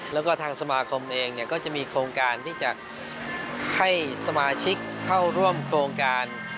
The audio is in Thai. แล้วก็ทางสมาคมเองก็จะมีโครงการที่จะให้สมาชิกเข้าร่วมโครงการ